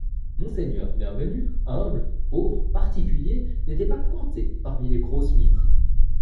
Monseigneur Bienvenu, humble, pauvre, particulier, n’était pas compté parmi les grosses mitres.